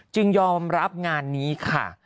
ยอมรับงานนี้ค่ะ